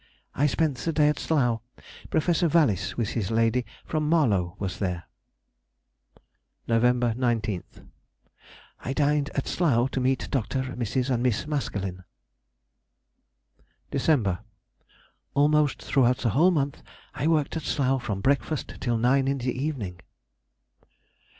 _—I spent the day at Slough. Professor Valis, with his lady, from Marlow, was there. November 19th.—I dined at Slough to meet Dr., Mrs., and Miss Maskelyne. December.—Almost throughout the whole month I worked at Slough from breakfast till nine in the evening.